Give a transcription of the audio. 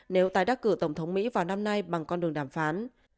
nếu tái đắc cử tổng thống mỹ vào năm nay bằng con đường đàm phán